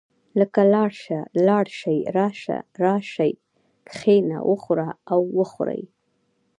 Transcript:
لکه لاړ شه، لاړ شئ، راشه، راشئ، کښېنه، وخوره او وخورئ.